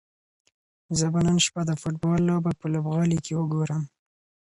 زه به نن شپه د فوټبال لوبه په لوبغالي کې وګورم.